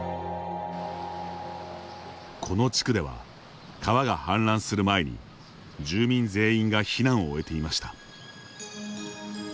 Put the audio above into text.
この地区では川が氾濫する前に住民全員が避難を終えていました。